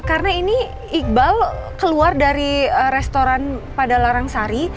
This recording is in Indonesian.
karena ini iqbal keluar dari restoran pada larang sari